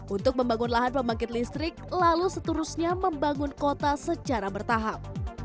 untuk membangun lahan pembangkit listrik lalu seterusnya membangun kota secara bertahap